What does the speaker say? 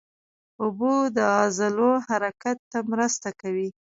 اوبه د عضلو حرکت ته مرسته کوي